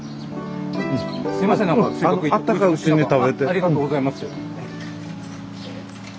ありがとうございます。